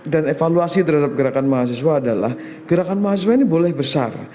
dan evaluasi terhadap gerakan mahasiswa adalah gerakan mahasiswa ini boleh besar